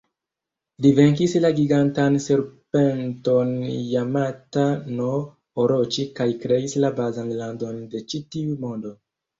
Li venkis la gigantan serpenton Jamata-no-Oroĉi kaj kreis la bazan landon de ĉi-tiu mondo.